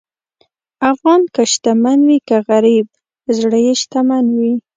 افغان که شتمن وي که غریب، زړه یې شتمن وي.